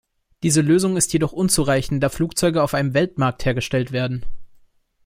Diese Lösung ist jedoch unzureichend, da Flugzeuge auf einem Weltmarkt hergestellt werden.